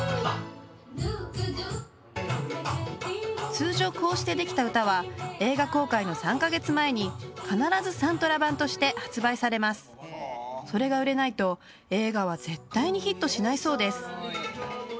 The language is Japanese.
通常こうしてできた歌は映画公開の３カ月前に必ずサントラ盤として発売されますそれが売れないと映画は絶対にヒットしないそうです